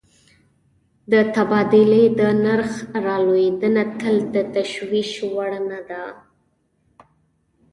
د تبادلې د نرخ رالوېدنه تل د تشویش وړ نه ده.